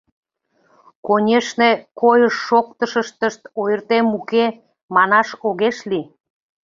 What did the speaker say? Конешне, койыш-шоктышыштышт ойыртем уке, манаш огеш лий.